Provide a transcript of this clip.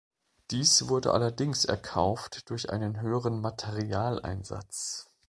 Dies wurde allerdings erkauft durch einen höheren Materialeinsatz.